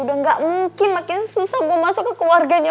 udah nggak mungkin makin susah gue masuk ke keluarganya